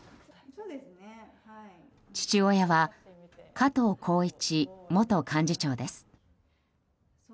父親は加藤紘一元幹事長です。